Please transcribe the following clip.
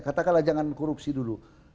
katakanlah jangan korupsi dulu